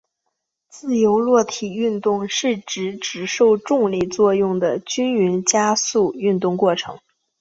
自由落体运动是指只受重力作用的均匀加速度运动过程。